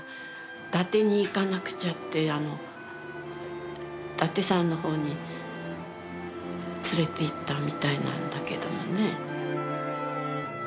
伊達に行かなくちゃって伊達さんの方に連れていったみたいなんだけどもね。